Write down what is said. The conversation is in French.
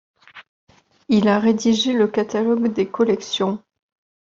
Il a rédigé le catalogue des collections.